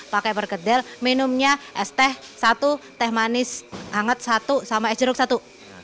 pakai bergedel minumnya es teh satu teh manis hangat satu sama es jeruk satu